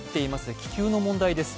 気球の問題です。